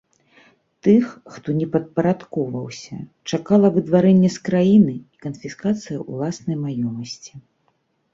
Тых, хто не падпарадкоўваўся, чакала выдварэнне з краіны і канфіскацыя ўласнай маёмасці.